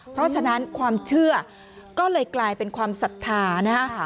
เพราะฉะนั้นความเชื่อก็เลยกลายเป็นความศรัทธานะฮะ